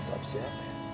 post op siapa ya